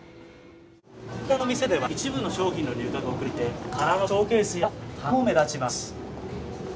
こちらの店では、一部の商品の入荷が遅れていて空のショーケースや棚も目立ちます。